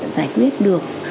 giải quyết được